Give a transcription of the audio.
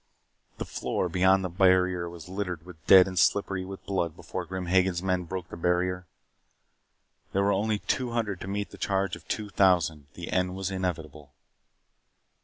The floor beyond the barrier was littered with dead and slippery with blood before Grim Hagen's men broke the barrier. There were only two hundred to meet the charge of two thousand. The end was inevitable.